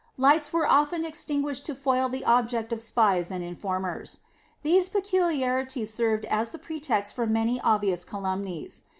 Lights were often extinguished to foil the object of spies and informers. These peculiarities served as the pretext for many obvious calumnies.